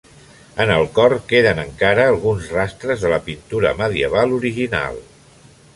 En el cor queden encara alguns rastres de la pintura medieval original.